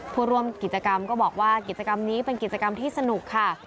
ผู้ร่วมกิจกรรมก็บอกว่ากิจกรรมนี้เป็นกิจกรรมที่สนุกค่ะ